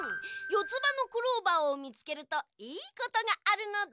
よつばのクローバーをみつけるといいことがあるのだ。